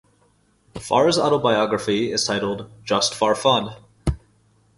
Farr's autobiography is titled "Just Farr Fun".